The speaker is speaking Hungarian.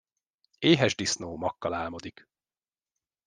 Éhes disznó makkal álmodik.